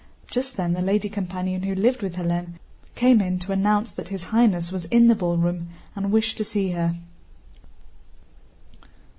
Just then the lady companion who lived with Hélène came in to announce that His Highness was in the ballroom and wished to see her.